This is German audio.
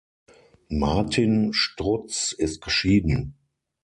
Martin Strutz ist geschieden.